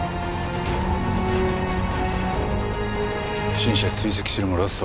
不審者追跡するもロスト。